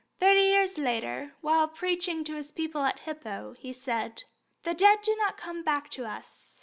Thirty years later, while preaching to his people at Hippo, he said: "The dead do not come back to us.